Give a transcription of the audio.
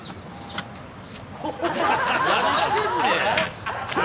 何してんねん。